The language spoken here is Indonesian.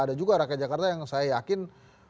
ada juga rakyat jakarta yang saya yakin